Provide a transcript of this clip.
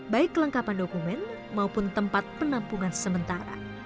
baik kelengkapan dokumen maupun tempat penampungan sementara